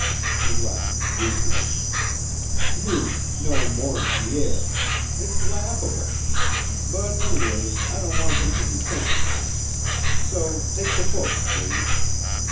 She laughed ruefully. "Me knowin' more'n Pierre! It's laughable. But anyways I don't want him to be thinkin' that. So take the books, please.